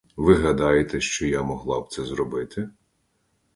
Ви гадаєте, що я могла б це зробити?